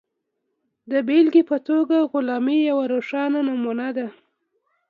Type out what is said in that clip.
د بېلګې په توګه غلامي یوه روښانه نمونه ده.